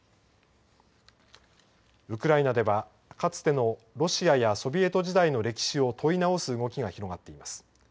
ウクライナではかつてのロシアやそのまま時代の歴史を問い直す動きが広がっています。